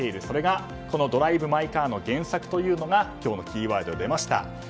それが、この「ドライブ・マイ・カー」の原作が今日のキーワードに出ました。